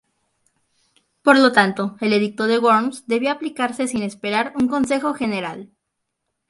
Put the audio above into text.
Por lo tanto, el Edicto de Worms debía aplicarse sin esperar un Consejo General.